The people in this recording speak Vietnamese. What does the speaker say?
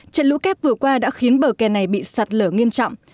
trận lũ kép vừa qua đã khiến bờ kè này bị sạt lở nghiêm trọng